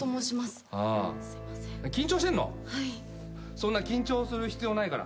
そんな緊張する必要ないから。